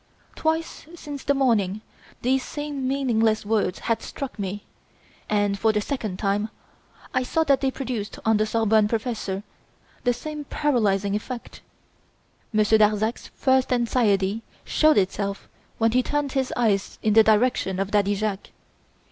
Twice since the morning these same meaningless words had struck me, and, for the second time, I saw that they produced on the Sorbonne professor the same paralysing effect. Monsieur Darzac's first anxiety showed itself when he turned his eyes in the direction of Daddy Jacques.